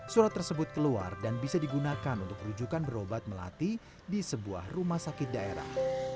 surat tersebut keluar dan bisa digunakan untuk rujukan berobat melati di sebuah rumah sakit daerah